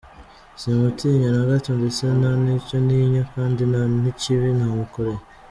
Simutinya na gato ndetse nta n’icyo ntinya kandi nta n’ikibi namukoreye!”.